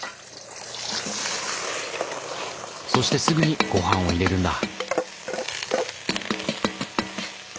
そしてすぐにごはんを入れるんだ。